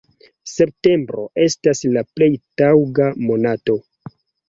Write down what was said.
Septembro estas la plej taŭga monato.